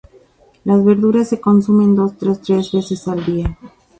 Las verduras se consumen dos o tres veces al día.